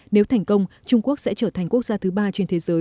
nếu thành công trung quốc sẽ trở thành quốc gia thứ ba trên thế giới